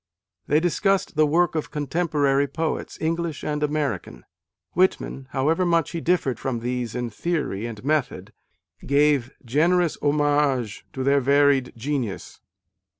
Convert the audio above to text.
They discussed the work of contemporary poets, English and American. Whitman, however much he differed from these in theory and method, gave generous homage to their A DAY WITH WALT WHITMAN. varied genius.